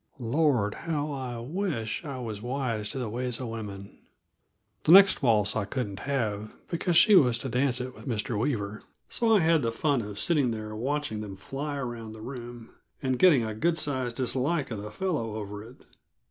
Lord, how I did wish I was wise to the ways of women! The next waltz I couldn't have, because she was to dance it with Mr. Weaver. So I had the fun of sitting there watching them fly around the room, and getting a good sized dislike of the fellow over it.